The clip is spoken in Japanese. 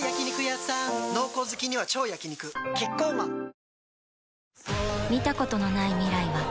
濃厚好きには超焼肉キッコーマンプシュ！